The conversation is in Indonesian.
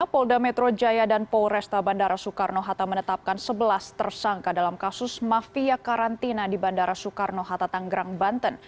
polda metro jaya dan polresta bandara soekarno hatta menetapkan sebelas tersangka dalam kasus mafia karantina di bandara soekarno hatta tanggerang banten